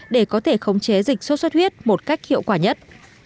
để có thể khống chế dịch sốt xuất huyết một cách hiệu quả nhất